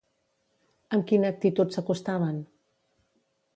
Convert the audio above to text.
Amb quina actitud s'acostaven?